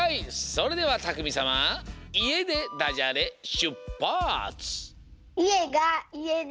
それではたくみさま「いえ」でダジャレしゅっぱつ！